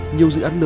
nhiều dự án lớn